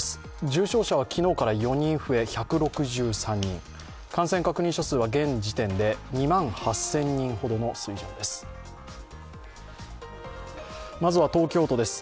重症者は昨日から４人増え１６３人、感染確認者数は現時点で２万８０００人ほどの水準です。